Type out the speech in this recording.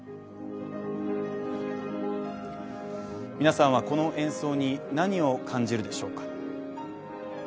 皆さんは、この演奏に何を感じるでしょうか。